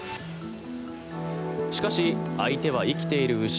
しかし、相手は生きている牛。